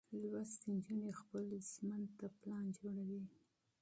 لوستې نجونې خپل ژوند ته پلان جوړوي.